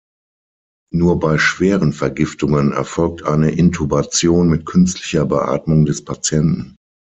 Nur bei schweren Vergiftungen erfolgt eine Intubation mit künstlicher Beatmung des Patienten.